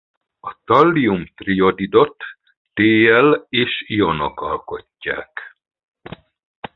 A tallium-trijodidot Tl és ionok alkotják.